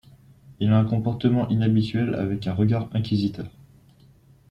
Il a un comportement inhabituel avec un regard inquisiteur.